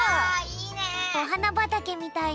おはなばたけみたいになりそう。